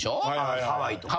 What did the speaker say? ハワイとかね。